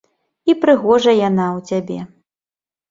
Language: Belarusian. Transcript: І прыгожая яна ў цябе.